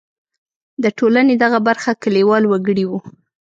د ټولنې دغه برخه کلیوال وګړي وو.